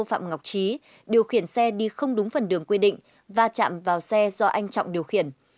phạm ngọc trí điều khiển xe đi không đúng phần đường quy định và chạm vào xe do anh trọng điều khiển